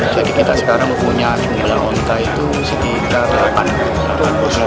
jadi kita sekarang mempunyai jumlah unta itu sekitar delapan